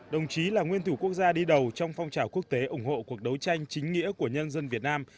đồng chí là nguyên thủ quốc gia đi đầu trong phong trào quốc tế ủng hộ cuộc đấu tranh chính nghĩa của nhân dân việt nam